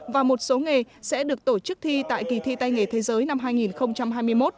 và một số nghề sẽ được tổ chức thi tại kỳ thi tay nghề thế giới năm hai nghìn hai mươi một